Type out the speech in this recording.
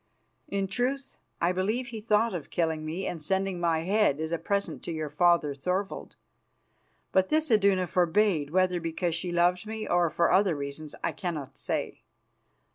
In truth, I believe he thought of killing me and sending my head as a present to your father Thorvald. But this Iduna forbade, whether because she loved me or for other reasons, I cannot say.